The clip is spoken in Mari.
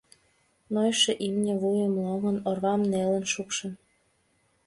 Нойышо имне, вуйым лоҥын, орвам нелын шупшын.